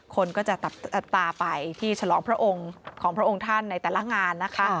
คนก็จะตาไปที่ฉลองพระองค์ของพระองค์ท่านในแต่ละงานนะคะ